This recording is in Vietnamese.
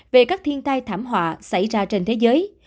về các thiên tai thảm họa xảy ra trên thế giới